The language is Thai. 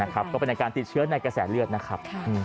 ก็เป็นอาการติดเชื้อในกระแสเลือดนะครับ